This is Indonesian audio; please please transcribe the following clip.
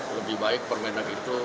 lebih baik permenak itu